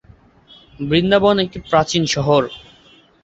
বৃন্দাবন একটি প্রাচীন শহর।